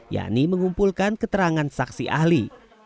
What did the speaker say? yakni mengumpulkan keterangan saksi ahli